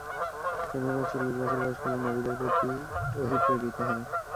কেননা, চল্লিশ বছর বয়সকালে নবীদের প্রতি ওহী প্রেরিত হয়।